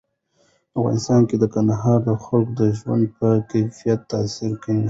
په افغانستان کې کندهار د خلکو د ژوند په کیفیت تاثیر کوي.